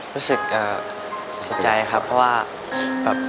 รู้สึกเอ่อพรุ่งใจครับเพราะว่า